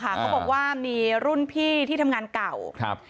เขาบอกว่ามีรุ่นพี่ที่ทำงานเก่าครับ